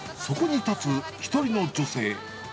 そこに立つ１人の女性。